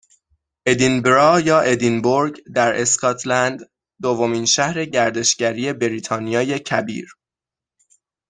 ادینبرا یا ادینبورگ در اسکاتلند دومین شهر گردشگری بریتانیای کبیر